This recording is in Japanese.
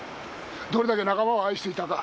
どれだけ仲間を愛していたか。